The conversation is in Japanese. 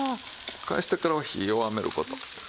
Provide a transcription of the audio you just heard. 返してからは火弱める事。